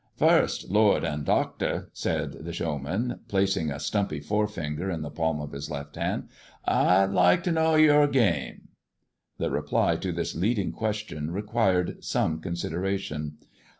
" First, lord and doctor," said the showman, placing a stumpy forefinger in the palm of his left hand, " I'd like to know your game?" The reply to this leading question required some con sideration.